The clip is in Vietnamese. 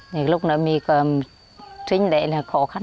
thì lúc đó mình có trinh đệ là khó khăn